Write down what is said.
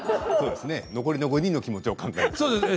残りの５人の気持ちを考えるとね。